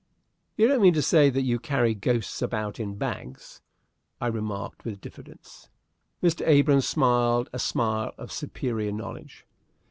"You don't mean to say that you carry ghosts about in bags?" I remarked, with diffidence. Mr. Abrahams smiled a smile of superior knowledge.